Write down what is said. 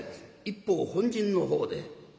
一方本陣のほうで。